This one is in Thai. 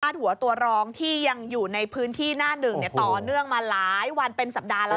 หัวตัวรองที่ยังอยู่ในพื้นที่หน้าหนึ่งต่อเนื่องมาหลายวันเป็นสัปดาห์แล้ว